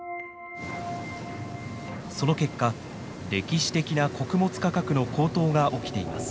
その結果歴史的な穀物価格の高騰が起きています。